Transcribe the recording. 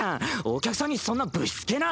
お客さんにそんなぶしつけな。